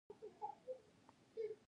افغانستان په کوچیان باندې تکیه لري.